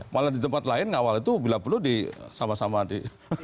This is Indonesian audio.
malah di tempat lain ngawal itu bila perlu sama sama di